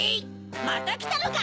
またきたのか！